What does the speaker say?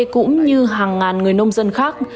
cũng như hàng ngàn người nông dân khác